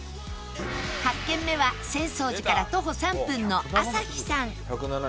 ８軒目は浅草寺から徒歩３分のあさひさん